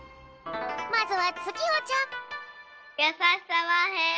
まずはつきほちゃん。